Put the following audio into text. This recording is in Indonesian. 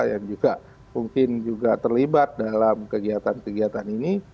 yang juga mungkin juga terlibat dalam kegiatan kegiatan ini